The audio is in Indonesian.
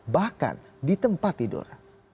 bahkan di tempat tidur